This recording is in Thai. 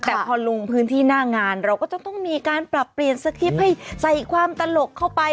แต่พอลงพื้นที่หน้างานเราก็จะต้องมีการปรับเปลี่ยนสคริปต์ให้ใส่ความตลกเข้าไป